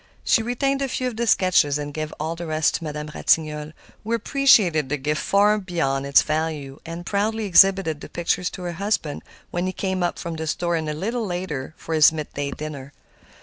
She retained a few of the sketches, and gave all the rest to Madame Ratignolle, who appreciated the gift far beyond its value and proudly exhibited the pictures to her husband when he came up from the store a little later for his midday dinner.